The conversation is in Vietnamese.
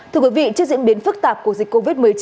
thưa quý vị trước diễn biến phức tạp của dịch covid một mươi chín